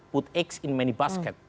put eggs in many basket